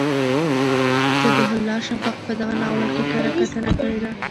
ذبیح الله شفق په دغه ناول کره کتنه کړې ده.